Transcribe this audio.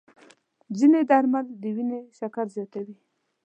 ځینې درمل د وینې شکر زیاتوي.